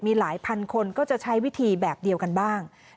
มีหลายพันคนก็จะใช้วิธีแบบเดียวกันบ้าง